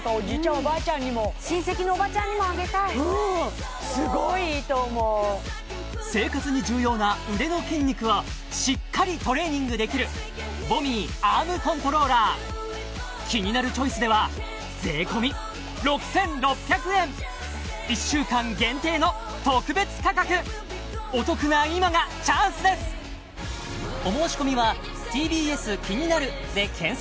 おばあちゃんにも親戚のおばちゃんにもあげたいすごいいいと思う生活に重要な腕の筋肉をしっかりトレーニングできるボミーアームコントローラーキニナルチョイスでは１週間限定の特別価格お得な今がチャンスですさあ